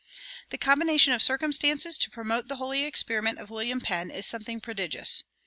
The combination of circumstances to promote the "Holy Experiment" of William Penn is something prodigious.